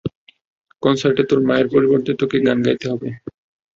কনসার্টে তোর মায়ের পরিবর্তে তোকে গান গাইতে হবে।